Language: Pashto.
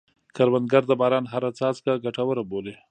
کروندګر د باران هره څاڅکه ګټوره بولي